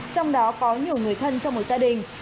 trong đó có nhiều người thân trong một gia đình